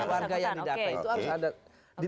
keluarga yang didatang itu harus ada